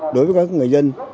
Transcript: đối với các người dân